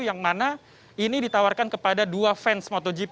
yang mana ini ditawarkan kepada dua fans motogp